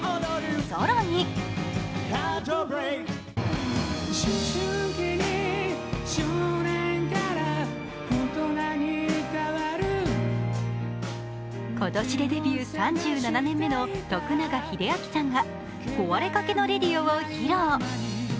更に今年でデビュー３７年目の徳永英明さんが「壊れかけのＲａｄｉｏ」を披露。